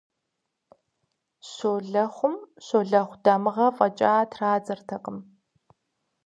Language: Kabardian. Щолэхъум «щолэхъу дамыгъэ» фӀэкӀа традзэртэкъым.